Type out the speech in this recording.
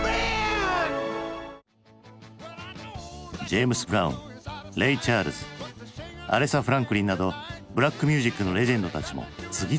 ジェームス・ブラウンレイ・チャールズアレサ・フランクリンなどブラックミュージックのレジェンドたちも次々に登場。